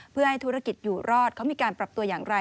เพื่อให้ธุรกิจอยู่รอดเขามีการปรับตัวอย่างไร